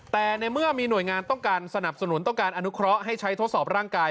แต่ในเมื่อมีหน่วยงานต้องการสนับสนุนต้องการอนุเคราะห์ให้ใช้ทดสอบร่างกาย